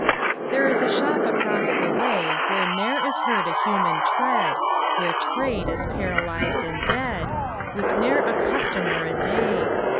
There is a shop across the way Where ne'er is heard a human tread, Where trade is paralyzed and dead, With ne'er a customer a day.